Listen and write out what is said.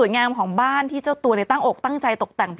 เดียวต่อไม่มันนั่งนั่ง